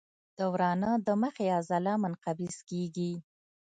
د ورانه د مخې عضله منقبض کېږي.